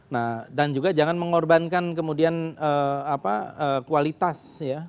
nah dan juga jangan mengorbankan kemudian kualitas ya